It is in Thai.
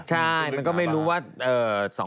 ใช่มันก็ไม่รู้ว่า